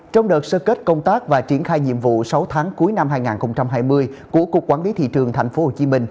trong đợt sơ kết công tác và triển khai nhiệm vụ sáu tháng cuối năm hai nghìn hai mươi của cục quản lý thị trường tp hcm